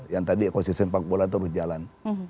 yang tadi ekosistem sepak bola terus jalan